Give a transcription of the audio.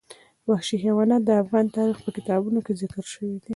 وحشي حیوانات د افغان تاریخ په کتابونو کې ذکر شوی دي.